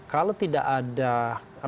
kalau tidak ada realitas